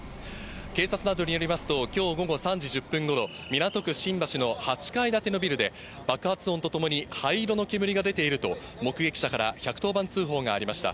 警察などによりますと、きょう午後３時１０分ごろ、港区新橋の８階建てのビルで、爆発音とともに灰色の煙が出ていると、目撃者から１１０番通報がありました。